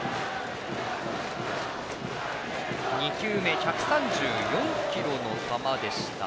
２球目、１３４キロの球でした。